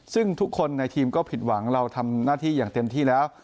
ซึ่งทุกคนในทีมก็ผิดหวังเราทำหน้าที่อย่างเต็มที่แล้ว